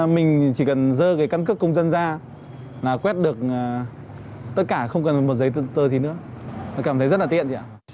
mình chỉ cần rơ cái căn cước công dân ra là quét được tất cả không cần một giấy tơ gì nữa cảm thấy rất là tiện